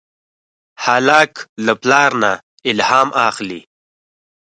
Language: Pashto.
هلک له پلار نه الهام اخلي.